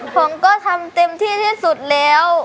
ผมก็ทำเต็มที่ที่สุดแล้ว